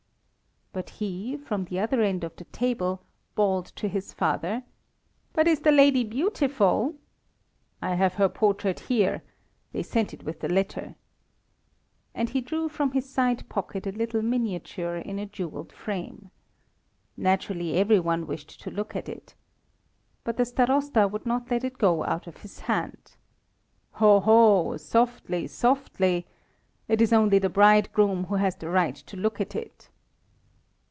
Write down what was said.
But he, from the other end of the table, bawled to his father "But is the lady beautiful?" "I have her portrait here. They sent it with the letter." And he drew from his side pocket a little miniature in a jewelled frame. Naturally every one wished to look at it. But the Starosta would not let it go out of his hand. "Ho, ho! Softly, softly! It is only the bridegroom who has the right to look at it."